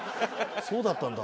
そうだったんだ。